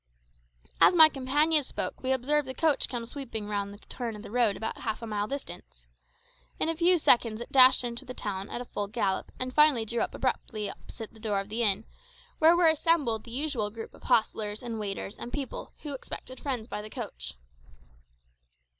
As my companion spoke we observed the coach come sweeping round the turn of the road about half a mile distant. In a few seconds it dashed into the town at full gallop, and finally drew up abruptly opposite the door of the inn, where were assembled the usual group of hostlers and waiters and people who expected friends by the coach.